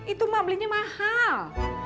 itu mak belinya mahal